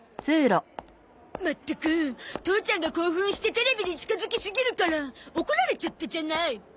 まったく父ちゃんが興奮してテレビに近づきすぎるから怒られちゃったじゃない！